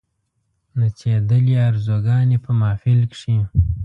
نڅېدلې آرزوګاني په محفل کښي